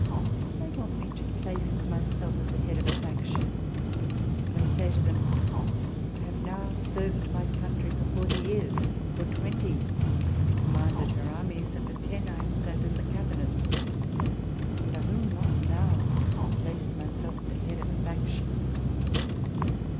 They want me to place myself at the head of a faction, but I say to them, I have now served my country for forty years for twenty I have commanded her armies, and for ten I have sat in the Cabinet and I will not now place myself at the head of a faction.